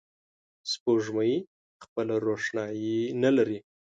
سپوږمۍ خپله روښنایي نه لري